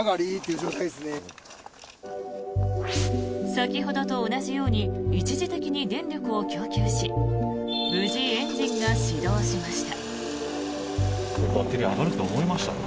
先ほどと同じように一時的に電力を供給し無事、エンジンが始動しました。